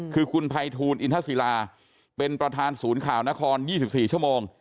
คือคุณภัยทูลอินทศิลาเป็นประธานศูนย์ข่าวนคร๒๔ชั่วโมง